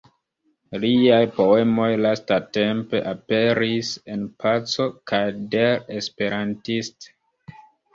Liaj poemoj lastatempe aperis en "Paco" kaj "Der Esperantist".